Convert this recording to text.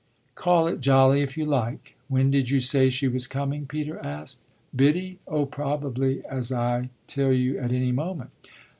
"Call it jolly if you like. When did you say she was coming?" Peter asked. "Biddy? Oh probably, as I tell you, at any moment."